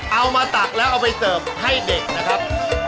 ตักแล้วเอาไปเสิร์ฟให้เด็กนะครับ